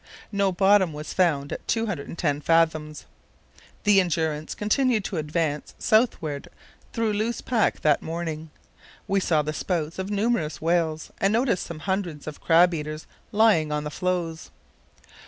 No bottom was found at 210 fathoms. The Endurance continued to advance southward through loose pack that morning. We saw the spouts of numerous whales and noticed some hundreds of crab eaters lying on the floes.